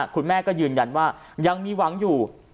คุณแม่ก็ยืนยันว่ายังมีหวังอยู่